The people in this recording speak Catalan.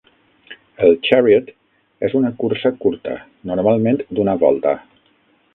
El "chariot" és una cursa curta, normalment d'una volta.